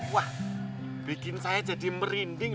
wah bikin saya jadi merinding